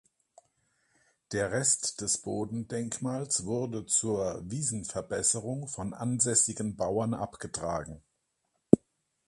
Der Rest des Bodendenkmals wurde zur Wiesenverbesserung von ansässigen Bauern abgetragen.